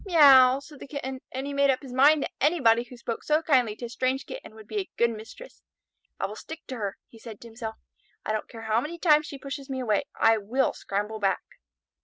"Meouw!" said the Kitten, and he made up his mind that anybody who spoke so kindly to strange Kittens would be a good mistress. "I will stick to her," he said to himself. "I don't care how many times she pushes me away, I will scramble back."